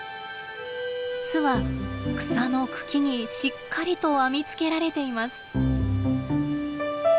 巣は草の茎にしっかりと編みつけられています。